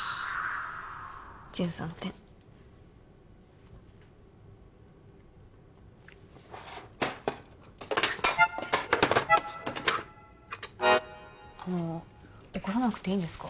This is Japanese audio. １３点あの起こさなくていいんですか？